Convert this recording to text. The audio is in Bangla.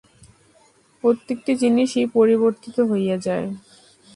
প্রত্যেকটি জিনিষই পরিবর্তিত হইয়া যায়।